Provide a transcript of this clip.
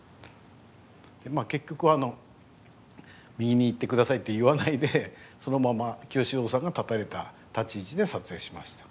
まあ結局あの「右に行って下さい」って言わないでそのまま清志郎さんが立たれた立ち位置で撮影しました。